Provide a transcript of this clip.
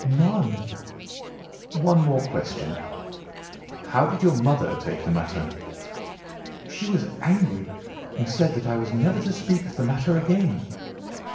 "None." "One more question. How did your mother take the matter?" "She was angry, and said that I was never to speak of the matter again."